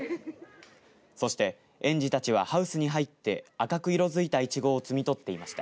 そして園児たちはハウスに入って赤く色づいたいちご摘み取っていました。